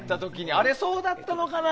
あれ、そうだったのかな？